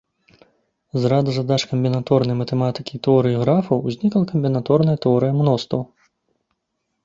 З рада задач камбінаторнай матэматыкі і тэорыі графаў узнікла камбінаторная тэорыя мностваў.